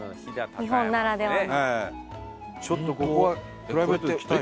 日本ならではの。